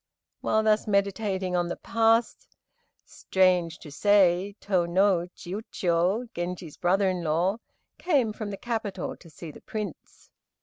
While thus meditating on the past, strange to say, Tô no Chiûjiô, Genji's brother in law, came from the capital to see the Prince.